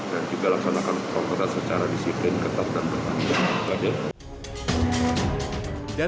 dan juga laksanakan proses secara disiplin ketat dan berpandang